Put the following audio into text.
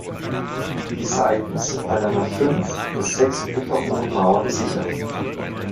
Die Seiten sind mit einer fünf bis sechs Meter hohen Mauer gesichert.